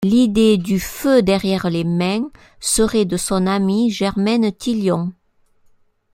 L'idée du feu derrière les mains serait de son amie Germaine Tillion.